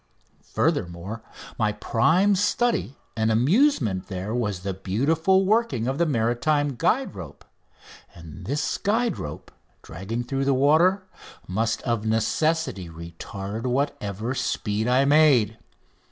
Furthermore, my prime study and amusement there was the beautiful working of the maritime guide rope; and this guide rope, dragging through the water, must of necessity retard whatever speed I made.